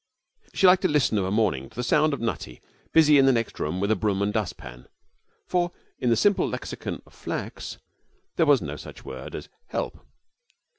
She liked to listen of a morning to the sound of Nutty busy in the next room with a broom and a dustpan, for in the simple lexicon of Flack's there was no such word as 'help'.